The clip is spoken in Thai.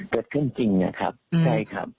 เกิดขึ้นจริงนะครับใช่ครับ